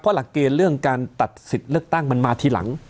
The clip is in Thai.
หลักเกณฑ์เรื่องการตัดสิทธิ์เลือกตั้งมันมาทีหลัง